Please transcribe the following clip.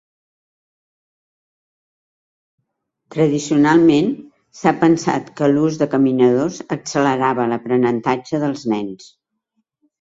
Tradicionalment, s'ha pensat que l'ús de caminadors accelerava l'aprenentatge dels nens.